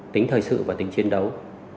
tính thời sự và tính chiến đấu